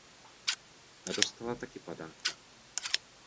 Ta dostala taky padáka.